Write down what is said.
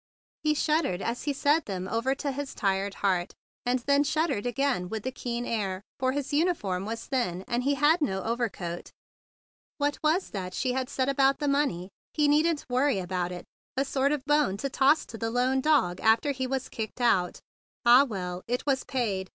He shuddered as he said them over to his tired heart, and then shuddered again with the keen air; for his uniform was thin, and he had no overcoat. What was that she had said about the money? He needn't worry about it. A sort of bone to toss to the lone dog after he was kicked out. Ah, well! It was paid.